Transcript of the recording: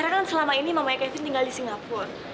karena kan selama ini mamanya kevin tinggal di singapura